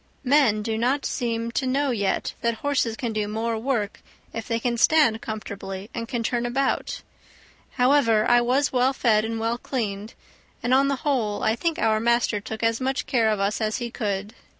Men do not seem to know yet that horses can do more work if they can stand comfortably and can turn about; however, I was well fed and well cleaned, and, on the whole, I think our master took as much care of us as he could.